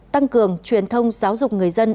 tăng cường truyền thông giáo dục người dân